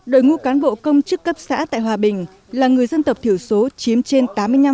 đội ngũ cán bộ công chức cấp xã tại hòa bình là người dân tộc thiểu số chiếm trên tám mươi năm